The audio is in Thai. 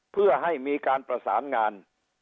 เพื่อให้มีการประสานงาน